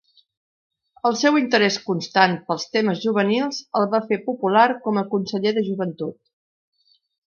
El seu interès constant pels temes juvenils el va fer popular com a conseller de joventut.